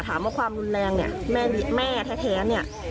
ถามว่าความรุนแรงเนี่ยแม่แท้เนี่ย